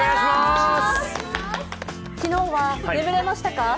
昨日は眠れましたか？